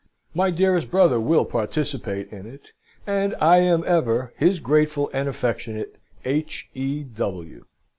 My dearest brother will participate in it, and I am ever his grateful and affectionate H. E.